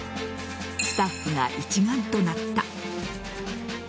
スタッフが一丸となった。